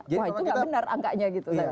wah itu nggak benar angkanya gitu